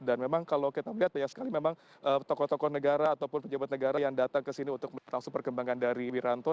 dan memang kalau kita melihat banyak sekali memang tokoh tokoh negara ataupun pejabat negara yang datang ke sini untuk mengetahui perkembangan dari wiranto